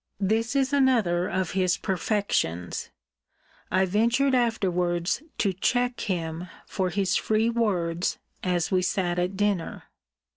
This is another of his perfections. I ventured afterwards to check him for his free words, as we sat at dinner.